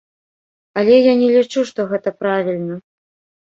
Але я не лічу, што гэта правільна.